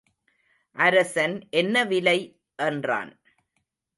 அரசன் என்ன விலை? என்றான்.